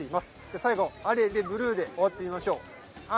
最後、アレ・レ・ブルーで終わってみましょう。